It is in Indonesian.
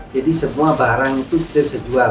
jadi semua barang itu kita bisa jual